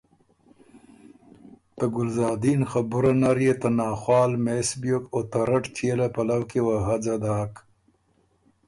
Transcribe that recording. (ته ګلزادین خبُره نر يې ته ناخوال مېس بیوک او ته رټ چيېله پلؤ کی وه هځه داک)